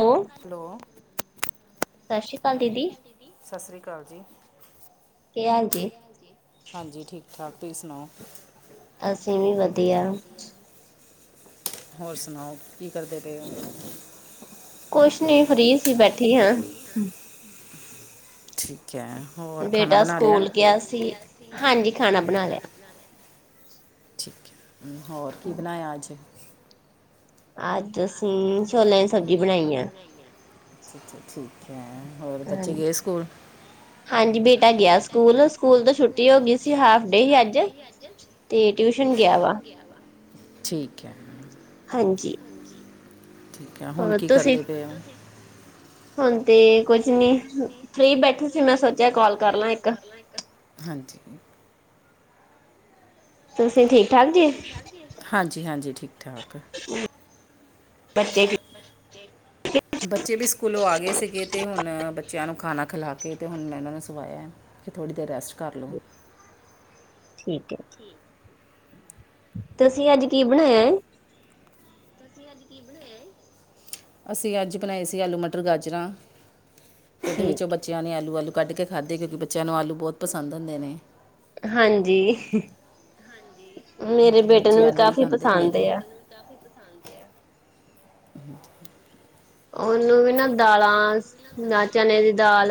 ਹੋਰ ਹੈਲੋ ਸਤਿ ਸ਼੍ਰੀ ਅਕਾਲ ਦੀਦੀ ਸਤਿ ਸ੍ਰੀ ਅਕਾਲ ਜੀ। ਕੀ ਹਾਲ ਜੀ ਹਾਂਜੀ ਠੀਕ ਠਾਕ ਤੁਸੀਂ ਸੁਣਾਓ। ਅਸੀਂ ਵੀ ਵਧੀਆ ਹੋਰ ਸੁਣਾਓ ਕੀ ਕਰਦੇ ਪਏ ਓ। ਕੁਛ ਨੀ ਫਰੀ ਸੀ ਬੈਠੀ ਆਂ। ਠੀਕ ਐ। ਬੇਟਾ ਸਕੂਲ ਗਿਆ ਸੀ ਹਾਂਜੀ ਖਾਣਾ ਬਣਾ ਲਿਆ। ਠੀਕ ਹੈ ਹੋਰ ਕੀ ਬਣਾਇਆ ਅੱਜ ਅੱਜ ਅਸੀਂ ਛੋਲਿਆਂ ਦੀ ਸਬਜ਼ੀ ਬਣਾਈ ਆਂ। ਠੀਕ ਏ ਹੋਰ ਬੱਚੇ ਗਏ ਸਕੂਲ ਹਾਂਜੀ ਬੇਟਾ ਗਿਆ ਸ ਗਿਆ ਸਕੂਲ-ਸਕੂਲ ਤੋਂ ਛੁੱਟੀ ਹੋ ਗਈ ਸੀ ਹਾਫ ਡੇ ਹੀ ਅੱਜ ਤੇ ਟਿਊਸ਼ਨ ਗਿਆ ਵਾ। ਠੀਕ ਐ। ਹਾਂਜੀ ਠੀਕ ਹੈ ਹੁਣ ਕੀ ਕਰਦੇ ਪਏ ਆ। ਹੁਣ ਤੇ ਕੁਝ ਨੀ ਫਰੀ ਬੈਠੇ ਸੀ ਮੈਂ ਸੋਚਿਆ ਕਾੱਲ ਕਰ ਲਾਂ ਇੱਕ ਹਾਂਜੀ ਤੁਸੀਂ ਠੀਕ ਠਾਕ ਜੇ ਹਾਂਜੀ-ਹਾਂਜੀ ਠੀਕ ਠਾਕ। ਬੱਚੇ ਕੀ-ਕੀ ਬੱਚੇ ਵੀ ਸਕੂਲੋਂ ਆ ਗਏ ਸੀਗੇ ਤੇ ਹੁਣ ਬੱਚਿਆਂ ਨੂੰ ਖਾਣਾ ਖਿਲਾ ਕੇ ਤੇ ਹੁਣ ਮੈਂ ਇਨਾਂ ਨੂੰ ਸਵਾਇਆ। ਕਿ ਥੋੜ੍ਹੀ ਦੇਰ ਰੈਸਟ ਕਰ ਲਉ। ਠੀਕ ਏ ਜੀ। ਤੁਸੀਂ ਅੱਜ ਕੀ ਬਨਾਏਆ ਏ? ਤੁਸੀਂ ਅੱਜ ਕੀ ਬਨਾਏਆ ਏ? ਅਸੀਂ ਅੱਜ ਬਣਾਏ ਸੀ ਆਲੂ ਮਟਰ ਗਾਜਰਾਂ, ਓਦੇ ਵੀਚੋਂ ਬ ਚੇਆਂ ਨੇ ਆਲੂ-ਆਲੂ ਕੱਡ ਕੇ ਖਾਦੇ, ਕਿਉਕੀ ਬੱਚੇਆਂ ਨੂੰ ਆਲੂ ਬਹੁਤ ਪਸੰਦ ਹੁੰਦੇ ਨੇ। ਹਾਂਜੀ, ਮੇਰੇ ਬੇਟੇ ਨੂੰ ਵੀ ਕਾਫ਼ੀ ਪਸੰਦ ਆ। ਕਾਫੀ ਪਸੰਦ ਆ [inaudible] ਓਨੂੰ ਵੀ ਨਾ ਦਾਲਾਂ, ਨਾ ਚਨੇਆ ਦੀ ਦਾਲ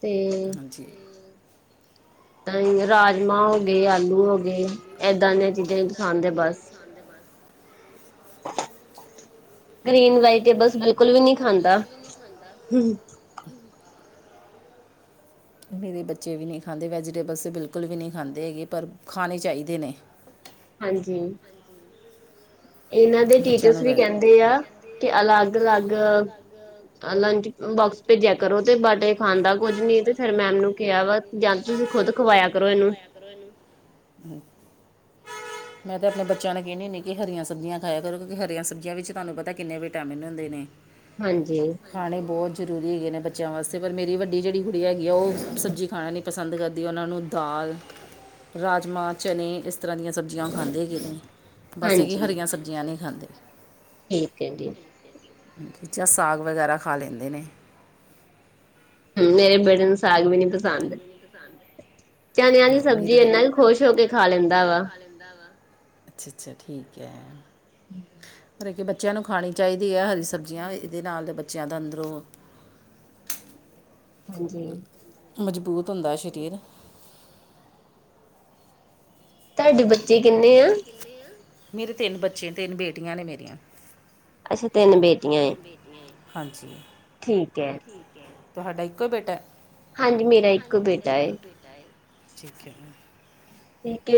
ਤੇ ਨਈ ਰਾਜਮਾਂ ਹੋ ਗੇ ਆਲੂ ਹੋ ਗੇ ਐਦਾਂ ਦੀਆਂ ਚੀਜ਼ਾਂ ਈ ਪਸੰਦ ਆ ਬਸ। ਗ੍ਰੀਨ ਲਾਈਟੇਬਲਸ ਬਿਲਕੁਲ ਵੀ ਨੀ ਖਾਂਦਾ [inaudible] ਮੇਰੇ ਬੱਚੇ ਵੀ ਨੀ ਖਾਂਦੇ ਵੈਜੀਟੇਬਲਸ ਤਾਂ ਬਿਲਕੁਲ ਵੀ ਨੀ ਖਾਂਦੇ ਹੈਗੇ ਪਰ ਖਾਣੇ ਚਾਈਦੇ ਨੇ। ਹਾਂਜੀ। ਏਨਾਂ ਦੇ ਟੀਚਰਸ ਵੀ ਕੈਦੇ ਆ, ਕੇ ਅਲੱਗ-ਅਲੱਗ ਅਲੰਚ ਬੋਕਸ ਭੇਜੇਆ ਕਰੋ ਤੇ ਬਟ ਏ ਖਾਂਦਾ ਕੁੱਝ ਨੀ ਤੇ ਫੇਰ ਮੈਮ ਨੂੰ ਕੇਆ ਵਾ ਜਾਂ ਤਾਂ ਤੁਸੀਂ ਖੁਦ ਖਵਾਏਆ ਕਰੋ ਏਨੂੰ। ਮੈਂ ਤੇ ਆਪਣੇ ਬੱਚੇਆਂ ਨੇ ਕੈਂਨੀ ਹੁੰਦੀ ਕੀ ਹਰੀਆਂ ਸਬਜ਼ੀਆਂ ਖਾਏਆ ਕਰੋ ਕਿਉਂਕਿ ਹਰੀਆਂ ਸਬਜ਼ੀਆਂ ਵਿੱਚ ਧਾਨੂੰ ਪਤਾ ਕਿਨੇ ਵਿਟਾਮਿਨ ਹੁੰਦੇ ਨੇ। ਹਾਂਜੀ। ਖਾਣੇ ਬੌ ਜ਼ਰੂਰੀ ਹੈਗੇ ਨੇ ਬੱਚੇਆਂ ਵਾਸਤੇ ਪਰ ਮੇਰੀ ਵੱਡੀ ਜੇੜੀ ਕੁੜੀ ਹੈਗੀ ਆ ਓ, ਸਬਜ਼ੀ ਖਾਣਾ ਨੀ ਪਸੰਦ ਕਰਦੀ ਆ ਓਨਾਂ ਨੂੰ ਦਾਲ ਰਾਜਮਾਂ ਚਣੇ ਇਸ ਤਰਾਂ ਦੀਆਂ ਸਬਜ਼ੀਆਂ ਓ ਖਾਂਦੇ ਹੈਗੇ ਨੇ। ਬਸ ਏ ਕੇ ਹਰੀਆਂ ਸਬਜ਼ੀਆਂ ਨੀ ਖਾਂਦੇ। ਠੀਕ ਏ ਜੀ। ਜਾ ਸਾਗ ਵਗੈਰਾ ਖਾ ਲੈਂਈਦੇ ਨੇ। ਹੂੰ ਮੇਰੇ ਬੇਟੇ ਨੂੰ ਸਾਗ ਵੀ ਨੀ ਪਸੰਦ। ਚਨਿਆਂ ਦੀ ਸਬਜ਼ੀ ਏਨਾ ਖੁਸ਼ ਹੋ ਕੇ ਖਾ ਲੈਂਦਾ ਵਾ। ਅੱਛਾ-ਅੱਛਾ ਠੀਕ‌ ਐ। ਪਰ ਏ ਕੇ ਬੱਚੇਆਂ ਨੂੰ ਖਾਣੀ ਚਾਈਦੀ ਐ ਹਰੀ ਸਬਜ਼ੀਆਂ ਏਦੇ ਨਾਲ ਬੱਚੇਆਂ ਦਾ ਅੰਦਰੋਂ ਹਾਂਜੀ। ਮਜ਼ਬੂਤ ਹੁੰਦਾ ਸ਼ਰੀਰ। ਧਾਡੇ ਬੱਚੇ ਕਿਨੇ ਆਂ? ਮੇਰੇ ਤੇਨ ਬੱਚੇ ਤੇਨ ਬੇਟੀਆਂ ਨੇ ਮੇਰੀਆਂ। ਅਛਾ ਤੇਨ ਬੇ ਤਿਨ ਬੇਟੀਆਂ ਏ, ਹਾਂਜੀ, ਠੀਕ ਐ, ਤੁਹਾਡਾ ਈਕੋ ਬੇਟਾ ਐ? ਹਾਂਜੀ ਮੇਰਾ ਇਕੋ ਬੇਟਾ ਐ, ਠੀਕ ਐ।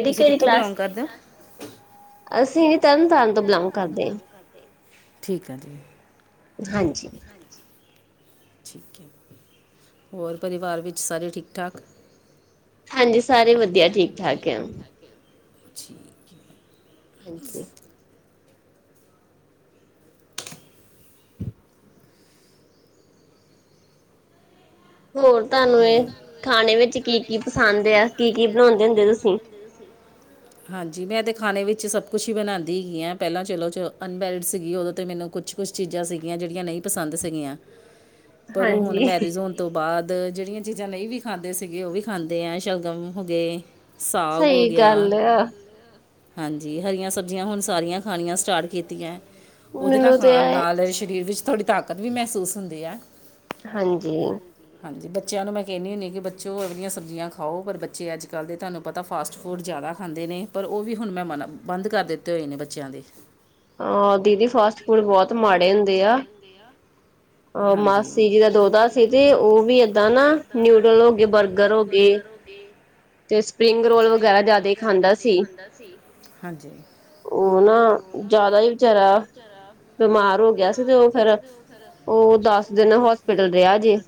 ਤੁਸੀਂ ਕਿਥੋਂ ਬਿਲੋਂਗ ਕਰਦੇ ਓ? ਅਸੀਂ ਜੀ ਤਨਤਾਰਨ ਤੋਂ ਬਿਲੋਂਗ ਕਰਦੇ ਆ। ਠੀਕ ਆ ਜੀ। ਹਾਂਜੀ। ਠੀਕ ਏ, ਹੋਰ ਪਰਿਵਾਰ ਵਿੱਚ ਸਾਰੇ ਠੀਕ-ਠਾਕ। ਹਾਂਜੀ ਸਾਰੇ ਵਦੀਆ ਠੀਕ-ਠਾਕ ਆ। ਜੀ। ਹਾਂਜੀ। ਹੋਰ ਧਾਨੂੰ ਏ, ਖਾਣੇ ਵਿੱਚ ਕੀ-ਕੀ ਪਸੰਦ ਆ, ਕੀ-ਕੀ ਬਣਾਉਂਦੇ ਹੁੰਦੇ ਤੁਸੀਂ? ਹਾਂਜੀ ਮੈਂ ਤਾਂ ਖਾਣੇ ਵਿੱਚ ਸਭ ਕੁਛ ਈ ਬਨਾਦੀ ਹੈਗੀ ਆਂ, ਪੈਂਲਾਂ ਚਲੋ ਚੋ ਅਨਮੈਰਿਡ ਸੀਗੀ ਓਦੋਂ ਤਾਂ ਮੈਨੂੰ ਕੁਛ ਕੁਛ ਚੀਜ਼ਾਂ ਸੀਗੀਆਂ ਜੇੜੀਆਂ ਨਹ ਪਸੰਦ ਸੀਗੀਆਂ। ਪਰ ਹੁਣ ਮੈਰਿਜ ਹੋਣ ਤੋਂ ਬਾਦ ਜੇੜੀਆਂ ਚੀਜ਼ਾਂ ਨਈ ਵੀ ਖਾਂਦੇ ਸੀਗੇ ਓ ਵੀ ਖਾਂਦੇ ਆ ਸ਼ਲਗਮ ਹੋ ਗਏ ਸਾਗ ਹੋ ਗਿਆ ਸਈ ਗੱਲ। ਹਾਂਜੀ ਹਰੀਆਂ ਸਬਜ਼ੀਆਂ ਹੁਣ ਸਾਰੀਆਂ ਖਾਣੀਆਂ ਸਟਾਰਟ ਕੀਤੀਆਂ ਓਦੇ ਨਾਲ ਖਾਣ ਨਾਲ ਸਰੀਰ ਵਿੱਚ ਥੋੜੀ ਤਾਕਤ ਵੀ ਮ੍ਹੈਸੂਸ ਹੁੰਦੀ ਐ। ਹਾਂਜੀ। ਹਾਂਜੀ ਬੱਚਿਆਂ ਨੂੰ ਮੈਂ ਕੈਨੀ ਹੁੰਨੀ ਕਿ ਬੱਚੋ ਐ ਵਾਲਿਆਂ ਸਬਜ਼ੀਆਂ ਖਾਓ ਪਰ ਬੱਚੇ ਆੱਜ-ਕੱਲ ਦੇ ਤੁਆਨੂੰ ਪਤਾ ਫਾਸਟ ਫੂਡ ਜਾਦਾ ਖਾਂਦੇ ਨੇ ਪਰ ਓ ਵੀ ਹੁਣ ਮੈਂ ਮਨਾ ਬੰਦ ਕਰ ਦਿੱਤੇ ਹੋਏ ਨੇ ਬੱਚਿਆਂ ਦੇ। ਹਾਂ, ਦੀਦੀ ਫਾਸਟ ਫੂਡ ਬੋਤ ਮਾੜੇ ਹੁੰਦੇ ਆ। ਅ ਮਾਸੀ ਜੀ ਦਾ ਦੋਧਾ ਸੀ ਤੇ ਓ ਵੀ ਏਦਾਂ ਨਾ ਨਿਊਡਲ ਹੋ ਗਏ, ਬਰਗਰ ਹੋ ਗਏ ਤੇ ਸਪਰਿੰਗ ਰੋਲ ਵਗੈਰਾ ਜੈਦਾ ਖਾਂਦਾ ਸੀ, ਹਾਂਜੀ। ਓ ਨਾ ਜਾਦਾ ਈ ਵਿਚਾਰਾ ਬਿਮਾਰ ਹੋ ਗਿਆ ਸੀ ਤੇ ਓ ਫਿਰ ਓ ਦੱਸ ਦਿਨ ਹੋਸਪਿਟਲ ਰਿਆ ਜੇ।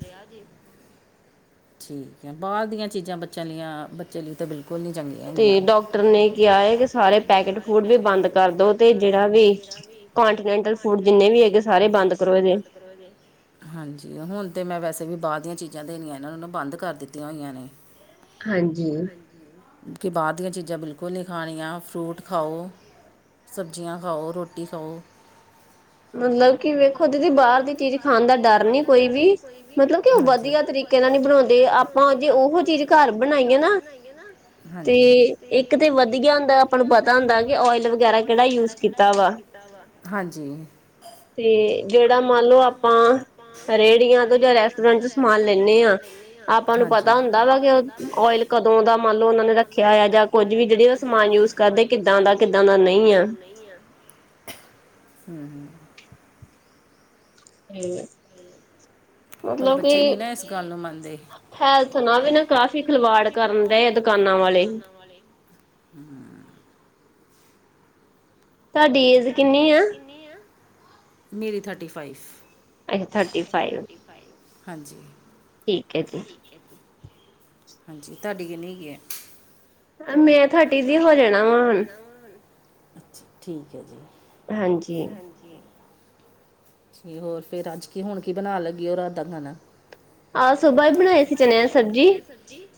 ਠੀਕ ਐ ਬਾਰ ਦੀਆਂ ਚੀਜ਼ਾਂ ਬੱਚਿਆਂ ਲਈਆਂ ਬੱਚੇ ਲਈ ਤਾਂ ਬਿਲ- ਕੁਲ ਨੀ ਚੰਗੀ ਤੇ ਡਾਕਟਰ ਨੇ ਕਿਆ ਏ ਕਿ ਸਾਰੇ ਪੈਕੇਟ ਫੂਡ ਵੀ ਬੰਦ ਕਰਦੋ ਤੇ ਜੇੜਾ ਵੀ ਕੋਂਟੀਨੈਂਟਲ ਫੂਡ ਜਿੰਨੇ ਵੀ ਹੈਗੇ ਸਾਰੇ ਬੰਦ ਕਰਉ ਏਦੇ। ਹਾਂਜੀ ਹੁਣ ਤੇ ਮੈਂ ਵੈਸੇ ਵੀ ਬਾਰ ਦੀਆਂ ਚੀਜ਼ਾਂ ਦੇਨੀਆਂ ਇਨਾ ਨੂੰ ਨਾ ਬੰਦ ਦਿੱਤੀਆਂ ਹੋਈਆਂ ਨੇ। ਹਾਂਜੀ। ਕਿ ਬਾਰ ਦੀਆਂ ਚੀਜ਼ਾਂ ਬਿਲਕੁਲ ਨੀ ਖਾਨੀਆਂ, ਫਰੂਟ ਖਾਓ ਸਬਜ਼ੀਆਂ ਖਾਓ, ਰੋਟੀ ਖਾਓ। ਮਤਲਬ ਕਿ ਵੇਖੋ ਦੀਦੀ ਬਾਰ ਦੀ ਚੀਜ਼ ਖਾਨ ਦਾ ਡਰ ਨਈ ਕੋਈ ਵੀ ਮਤਲਬ ਕਿ ਓ ਵਦੀਆ ਤਰੀ ਵਦੀਆ ਤਰੀਕੇ ਨਾਲ ਨੀ ਬਣਾਉਂਦੇ ਆਪਾਂ ਜੇ ਓਹ ਚੀਜ਼ ਘਰ ਬਣਾਈਏ ਨਾ ਤੇ ਇੱਕ ਤੇ ਵਦੀਆ ਹੁੰਦਾ ਆਪਾਂ ਨੂੰ ਪਤਾ ਹੁੰਦਾ ਕਿ ਓਇਲ ਵਗੈਰਾ ਕੇੜਾ ਯੂਜ ਕੀਤਾ ਵਾ। ਕੀਤਾ ਵਾ, ਹਾਂਜੀ। ਤੇ ਜੇੜਾ ਮੰਨ ਲਓ ਆਪਾਂ ਰੇੜ੍ਹੀਆਂ ਤੋਂ ਜਾਂ ਰੈਸਟੋਰੈਂਟ ਤੋਂ ਸਮਾਨ ਲੈਨੇ ਆਂ ਆਪਾਂ ਨੂੰ ਪਤਾ ਹੁੰਦਾ ਵਾ ਕਿ ਓਇਲ ਕਦੋਂ ਦਾ ਮੰਨ ਲਓ ਓਨਾਂ ਨੇ ਰੱਖਿਆ ਹੋਇਆ ਜਾਂ ਕੁੱਝ ਵੀ ਜੇੜੇ ਆ ਸਮਾਨ ਯੂਜ ਸਮਾਨ ਯੂਜ ਕਰਦੇ ਆ ਕਿੱਦਾਂ ਦਾ ਕਿੱਦਾਂ ਦਾ ਨਈ ਆ। ਹੂੰ। ਪਰ ਬੱਚੇ ਨੀ ਨਾ ਇਸ ਗੱਲ ਨੂੰ ਮੰਨਦੇ। ਹੈਲਥ ਨਾ ਵੀ ਨਾ ਕਾਫ਼ੀ ਖਿਲਵਾੜ ਕਰਨ ਦੇ ਆ ਦੁਕਾਨਾਂ ਵਾਲੇ। [inaudible] ਤਾਡੀੇ ਏਜ ਤਾਡੀ ਏਜ ਕਿਨੀ ਆ, ਮੇਰੀ thirty five. Age thirty five. Five, ਹਾਂਜੀ। ਠੀਕ ਐ ਜੀ। ਹਾਂਜੀ ਤੁਆਡੀ ਕਿਨੀ ਕੇਆ? ਆ ਮੈਂ ਥਰਟੀ ਦੀ ਹੋ ਜਾਣਾ ਵਾ ਹੁਣ। ਅੱਛਾ, ਠੀਕ ਐ ਜੀ ਹਾਂਜੀ। ਹੋਰ ਫਿਰ ਆੱਜ ਕੀ ਹੁਣ ਕੀ ਬਣਾਨ ਲੱਗੇ ਓ ਰਾਤ ਦਾ ਖਾਣਾ [inaudible] ਆਹ ਸੁਬਾਹ ਹੀ ਬਣਾਈ ਸੀ ਚਨਿਆ ਦੀ ਸਬਜ਼ੀ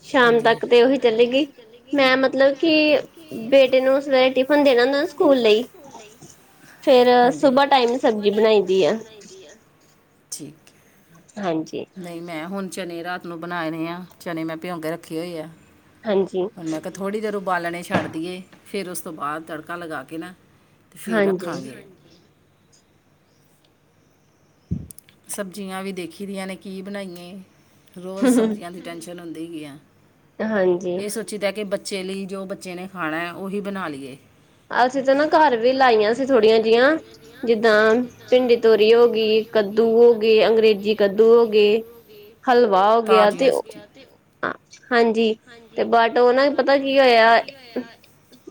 ਸ਼ਾਮ ਤੱਕ ਤੇ ਉਹੀ ਚਲੇਗੀ ਮੈਂ ਮਤਲਬ। ਕੀ ਬੇਟੇ ਨੂੰ ਸਵੇਰੇ ਟਿਫਨ ਦੇਣਾ ਹੁੰਦਾ ਨਾ ਸਕੂਲ ਲਈ। ਫੇਰ ਸੁਬਹਾ ਟਾਈਮ ਦੀ ਸਬਜ਼ੀ ਬਣਾਈ ਦੀ ਆ। ਠੀਕ ਹੈ। ਹਾਂਜੀ। ਨਹੀਂ ਮੈਂ ਹੁਣ ਚਨੇ ਰਾਤ ਨੂੰ ਬਣਾ ਦੇਨੇ ਆ ਚਨੇ ਮੈਂ ਭਿਉਂਕੇ ਰੱਖੇ ਹੋਏ ਆ। ਹਾਂਜੀ। ਥੋੜ੍ਹੀ ਦੇਰ ਉਬਾਲਣੇ ਛੱਡ ਦੇਈਏ ਫਿਰ ਉਸ ਤੋਂ ਬਾਅਦ ਤੜਕਾ ਲਗਾ ਕੇ ਨਾ। ਫਿਰ ਰੱਖਾਂਗੇ। ਸਬਜ਼ੀਆਂ ਵੀ ਦੇਖੀ ਦੀਆਂ ਨੇ ਕੀ ਬਣਾਈਏ ਰੋਜ਼ ਸਬਜ਼ੀਆਂ ਦੀ ਟੈਂਸ਼ਨ ਹੁੰਦੀ ਆ। ਹਾਂਜੀ। ਜਿਦਾ ਕਿ ਬੱਚੇ ਲਈ ਜੋ ਬੱਚੇ ਨੇ ਖਾਣਾ ਉਹੀ ਬਣਾ ਲਈਏ। ਅਸੀਂ ਤੇ ਨਾ ਘਰ ਵੀ ਲਾਈਆਂ ਸੀ ਥੋੜੀਆਂ ਜਿਹੀਆਂ ਜਿੱਦਾਂ ਭਿੰਡੀ ਤੋਰੀ ਹੋ ਗਈ। ਕੱਦੂ ਹੋ ਗਏ ਅੰਗਰੇਜ਼ੀ ਕੱਦੂ ਹੋ ਗਏ ਹਲਵਾ ਹੋ ਗਿਆ ਤੇ। ਹਾਂਜੀ ਤੇ ਬਟ ਉਹ ਨਾਂ ਪਤਾ ਕੀ ਹੋਇਆ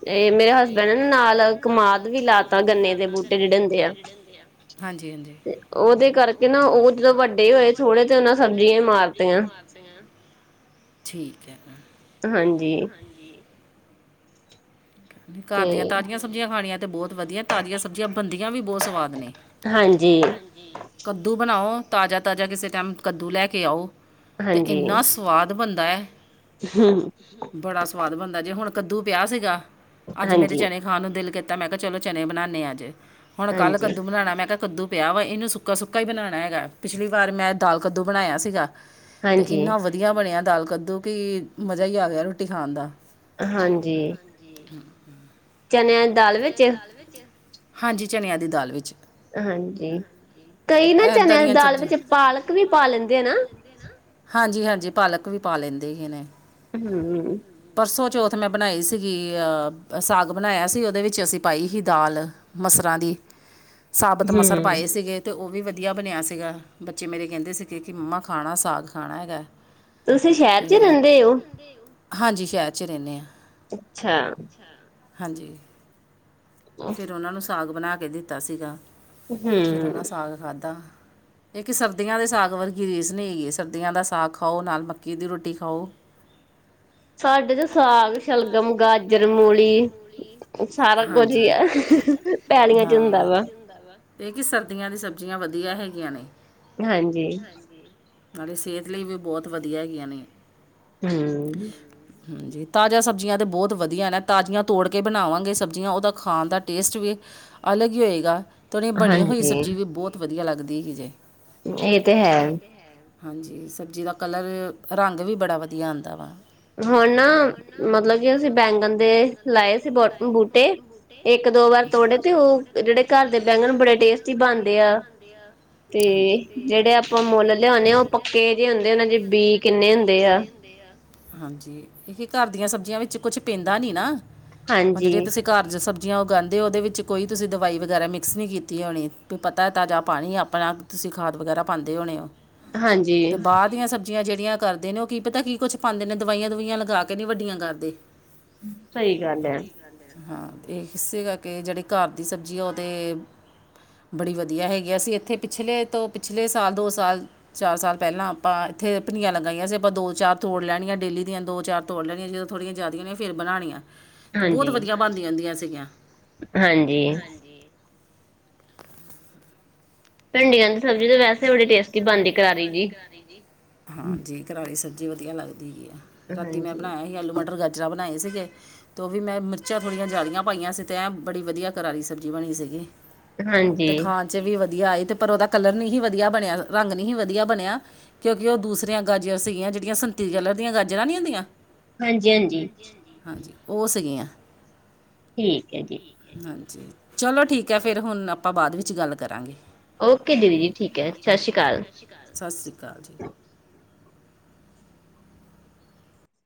ਇਹ ਮੇਰੇ। ਮੇਰੇ ਹਸਬੈਂਡ ਨਾਲ ਕਮਾਦ ਵੀ ਲਾਤਾ ਗੰਨੇ ਦੇ ਬੂਟੇ ਜਿਹੜੇ ਹੁੰਦੇ ਆ ਹਾਂਜੀ- ਹਾਂਜੀ। ਉਹਦੇ ਕਰਕੇ। ਉਹਦੇ ਕਰਕੇ ਨਾ ਉਹ ਜਦ ਵੱਡੇ ਹੋਏ ਥੋੜੇ ਚ ਨਾ ਸਬਜ਼ੀਆਂ ਮਾਰਤੀਆਂ। ਠੀਕ ਹੈ ਗਲ ਹਾਂਜੀ। ਘਰਦੀਆਂ ਤਾਜ਼ੀਆਂ। ਸਬਜ਼ੀਆਂ ਖਾਣੀਆਂ ਤੇ ਬਹੁਤ ਵਧੀਆ ਤਾਜ਼ੀਆਂ ਸਬਜ਼ੀਆਂ ਬਣਦੀਆਂ ਵੀ ਬਹੁਤ ਸਵਾਦ ਨੇ। ਹਾਂਜੀ। ਕੱਦੂ ਬਣਾਓ ਤਾਜ਼ਾ ਤਾਜ਼ਾ ਕਿਸੇ ਟਾਈਮ ਕੱਦੂ ਲੈ ਕੇ ਆਉ ਅਤੇ ਇੰਨਾ। ਸਵਾਦ ਬਣਦਾ ਹੈ। ਹਮ। ਬੜਾ ਸਵਾਦ ਬਣਦਾ ਜੇ ਹੁਣ ਕੱਦੂ ਪਿਆ ਸੀਗਾ ਅੱਜ ਮੇਰੇ ਚਨੇ। ਖਾਣ ਨੂੰ ਦਿਲ ਕੀਤਾ ਮੈਂ ਕਿਹਾ ਚਲੋ ਚਨੇ ਬਨਾਣੇ ਆ ਅੱਜ ਹੁਣ ਕੱਲ ਕੱਦੂ ਬਣਾਉਣਾ ਮੈਂ ਕਿਹਾ ਕੱਦੂ ਪਿਆ ਵਾ ਇਹਨੂੰ। ਸੁੱਕਾ ਹੀ ਬਣਾਉਣਾ ਹੈਗਾ ਪਿਛਲੀ ਵਾਰ ਮੈਂ ਦਾਲ ਕੱਦੂ ਬਣਾਇਆ ਸੀਗਾ ਤੇ ਇੰਨਾ। ਵਧੀਆ ਬਣਿਆ ਦਾਲ ਕੱਦੂ ਕਿ ਮਜ਼ਾ ਹੀ ਆ ਗਿਆ ਰੋਟੀ ਖਾਣ ਦਾ। ਹਾਂਜੀ। ਜੇ ਹਾ [unintelligible] ਚਨਿਆਂ। ਚਨਿਆਂ ਦੀ ਦਾਲ ਵਿਚ ਹਾਂਜੀ ਚਨਿਆਂ ਦੀ ਦਾਲ ਵਿਚ। ਹਾਂਜੀ ਕਈ ਨਾ ਚਨਿਆਂ ਦੀ ਦਾਲ ਵਿੱਚ ਪਾਲਕ ਵੀ ਪਾ ਲੈਂਦੇ ਹਾ ਨਾ। ਹਾਂਜੀ-ਹਾਂਜੀ ਪਾਲਕ ਵੀ ਪਾ ਲੈਂਦੇ ਹੀ ਨੇ। ਹਮ। ਪਰਸੋਂ ਚੌਥ ਮੈਂ ਬਣਾਈ ਸੀਗੀ ਅਹ ਸਾਗ ਬਣਾਇਆ ਸੀ। ਉਹਦੇ ਵਿੱਚ ਅਸੀਂ ਪਾਈ ਸੀ ਦਾਲ ਮਸਰਾਂ ਦੀ ਸਾਬਤ ਮਸਰ ਪਾਏ ਸੀਗੇ। ਅਤੇ ਉਹ ਵੀ ਵਧੀਆ ਬਣਿਆ ਸੀਗਾ ਬੱਚੇ ਮੇਰੇ ਕਹਿੰਦੇ ਸੀ ਕਿ ਮੰਮਾ ਖਾਣਾ ਸਾਗ ਖਾਣਾ ਹੈਗਾ। ਤੁਸੀਂ ਸ਼ਹਿਰ ਚ ਰਹਿੰਦੇ ਹੋ। ਹਾਂਜੀ ਸ਼ਹਿਰ ਚ ਰਹਿਣੇ ਆ। ਅੱਛਾ। ਹਾਂਜੀ। ਫਿਰ ਉਹਨਾਂ ਨੂੰ ਸਾਗ ਬਣਾ ਕੇ ਦਿੱਤਾ ਸੀਗਾ ਫਿਰ ਉਹਨਾਂ ਸਾਗ ਖਾਧਾ। ਸਰਦੀਆਂ ਦੇ ਸਾਗ ਵਰਗੀ ਰੀਸ ਨਹੀਂ ਹੈਗੀ ਸਰਦੀਆਂ ਦਾ ਸਾਗ ਖਾਓ ਨਾਲ ਮੱਕੀ ਦੀ ਰੋਟੀ ਖਾਉ। ਸਾਡੇ ਤੇ ਸਾਗ, ਸ਼ਲਗਮ, ਗਾਜਰ, ਮੂਲੀ ਸਾਰਾ ਕੁਝ ਹੀ ਆ ਪੈਲੀਆਂ ਚ ਹੁੰਦਾ ਵਾ। ਏਹ ਕਿ ਸਰਦੀਆਂ ਦੀ ਸਬਜ਼ੀਆਂ ਵਧੀਆ ਹੈਗੀਆਂ ਨੇ, ਹਾਂਜੀ। ਨਾਲੇ ਸੇਅਤ ਲਈ ਵੀ ਬੋਤ ਵਦੀਆ ਹੈਗੀਆਂ ਨੇ। ਹੂੰ। ਹਾਂਜੀ, ਤਾਜਾ ਸਬਜੀਆਂ ਤਾਂ ਬੋਤ ਵਧੀਆ ਨੇ ਤਾਜੀਆਂ ਤੋੜ ਕੇ ਬਣਾਵਾਂਗੇ ਸਬ ਬਜੀਆਂ ਓਦਾ ਖਾਣ ਦਾ ਟੇਸਟ ਵੀ ਅਲੱਗ ਈ ਹੋਏਗਾ ਤੇ ਬਣੀ ਹੋਈ ਸਬਜੀ ਵੀ ਬੋਤ ਵਦੀਆ ਲੱਗਦੀ ਹੀ ਜੇ। ਹਾਂਜੀ, ਸਬਜੀ ਦਾ ਕਲਰ ਰੰਗ ਵੀ ਬੜਾ ਵਦੀਆ ਆਂਦਾ ਵਾ। ਹੁਣ ਨਾ ਮਤਲਬ ਕਿ ਅਸੀ ਬੈਂਗਨ ਦੇ ਲਾਏ ਸੀ ਬਾ ਬੂਟੇ। ਏਕ ਦੋ ਵਾਰ ਤੋੜੇ ਤੇ ਓ ਜੇੜੇ ਘਰ ਦੇ ਜੇੜੇ ਘਰ ਦੇ ਬੈਂਗਣ ਬੜੇ ਟੇਸਟੀ ਬਣਦੇ ਹਾਂਜੀ, ਆ ਤੇ ਜੇੜੇ ਲਿਆਉਨੇ ਆਂ ਓ ਪੱਕੇ ਜੇ ਹੁੰਦੇ, ਓਨਾਂ ਦੇ ਬੀ ਕਿੰਨੇ ਹੁੰਦੇ ਆ। ਹਾਂਜੀ, ਏ ਘਰ ਦੀਆਂ ਸਬਜੀਆਂ ਵਿੱਚ ਕੁਛ ਪੈਂਦਾ ਨੀ ਨਾ ਹੁਣ, ਜੇੜੀਆਂ ਤੁਸੀਂ ਘਰ ਚ ਸਬਜੀਆਂ ਉਗਾਉਂਦੇ ਓਦੇ ਵਿੱਚ ਕੋਈ ਤੁਸੀਂ ਦਵਾਈ ਵਗੈਰਾ ਮਿਕਸ ਨੀਂ ਕੀਤੀ ਹੋਣੀ। ਵੀ ਪਤਾ ਐ ਤਾਜਾ ਪਾਣੀ, ਅਪਨਾ ਤੁਸੀਂ ਖਾਦ ਵਗੈਰਾ ਪਾਂਦੇ ਹੋਣੇ ਓ ਤੇ ਬਾਰ ਦੀਆਂ ਸਬ ਜੇੜੀਆਂ ਕਰਦੇ ਨੇ ਓ ਕੀ ਪਤਾ ਕੀ ਪਾਂਦੇ ਨੇ, ਦਵਾਈਆਂ-ਦਵੂਈਆਂ ਲਗਾ ਕੇ ਨੀ ਵੱਡੀਆਂ ਕਰਦੇ। ਸਈ ਗੱਲ ਏ। ਹਾਂ ਏਸੇ ਕਾਰਕੇ ਜੇੜੀ ਘਰ ਦੀ ਸਬਜੀ ਆ ਓਦੇ [inaudible] ਬੜੀ ਵਦੀਆ ਹੈਗੀ ਆ। ਅਸੀਂ ਏਥੇ ਪਿਛਲੇ ਤੋਂ ਪਿਛਲੇ ਸਾਲ ਦੋ ਸਾਲ ਚਾਰ ਸਾਲ ਪੈਲਾਂ ਆਪਾਂ ਈਥੇ ਭਿੰਡੀਆਂ ਲੱਗਾਈਆਂ ਸੀ। ਆਪਾਂ ਦੋ-ਚਾਰ ਤੋੜ ਲੈਣੀਆਂ ਡੇਲੀ ਦੀਆਂ ਦੋ-ਚਾਰ ਤੋੜ ਲੈਣੀਆਂ ਜਦੋਂ ਥੋੜੀਆਂ ਜਾਦੀ ਹੋਣੀਆਂ ਫਿਰ ਬਨਾਂਨੀਆਂ। ਬੋਤ ਵਦੀਆ ਬਣਦੀਆਂ ਹੁੰਦੀਆਂ ਸੀਗੀਆਂ, ਹਾਂਜੀ। ਭਿੰਡੀਆਂ ਦੀ ਸਬਜੀ ਤੇ ਵੈਸੇ ਬੜੀ ਟੇਸਟੀ ਬਣਦੀ, ਕਰਾਰੀ ਜੀ, ਹੂੰ। ਕਰਾਰੀ ਸਬਜੀ ਵਧੀਆ ਲੱਗਦੀ ਹੈਗੀ ਏ। ਰਾਤੀ ਮੈਂ ਬਣਾਇਆ ਸੀ ਆਲੂ, ਮਟਰ, ਗਾਜਰਾ ਬਣਾਏ ਸੀਗੇ। ਤੇ ਓਵੀ ਮੈਂ ਮਿਰਚਾਂ ਥੋੜੀਆਂ ਜਾਦੀਆਂ ਪਾਈਆਂ ਸੀ ਤੇ ਐ ਬੜੀ ਵਦੀਆ ਕਰਾਰੀ ਸਬਜੀ ਬਣੀ ਸੀਗੀ। ਤੇ ਖਾਣ ਚ ਵੀ ਵਦੀਆ ਆਈ ਤੇ ਪਰ ਓਦਾ ਕਲਰ ਨਈਂ ਹੀ ਵਧੀਆ ਬਣਿਆ, ਰੰਗ ਨਈਂ ਹੀ ਵਧੀਆ ਬਨੇਆ। ਕਿਉਂਕਿ ਓ ਦੂਸਰਿਆਂ ਗਾਜਰਾਂ ਸੀਗੀਆਂ, ਜੇੜੀਆਂ ਸੰਤਰੀ ਕਲਰ ਦੀਆਂ ਗਾਜਰਾਂ ਨੀਂ ਹੁੰਦੀਆਂ। ਹਾਂਜੀ-ਹਾਂਜੀ। ਹਾਂਜੀ, ਓ ਸੀਗੀਆਂ। ਠੀਕੈ ਜੀ। ਹਾਂਜੀ, ਚਲੋ ਠੀਕ ਏ ਫਿਰ ਹੁਣ ਆਪਾਂ ਬਾਦ ਵਿੱਚ ਗੱਲ ਕਰਾਂਗੇ। ਓਕੇ ਦੀਦੀ ਜੀ, ਠੀਕੈ ਸਤਿ ਸ਼੍ਰੀ ਅਕਾਲ। ਸਤਿ ਸ਼੍ਰੀ ਅਕਾਲ ਜੀ।